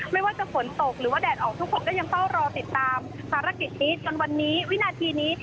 ไม่ว่าจะฝนตกหรือว่าแดดออกทุกคนก็ยังเฝ้ารอติดตามภารกิจนี้จนวันนี้วินาทีนี้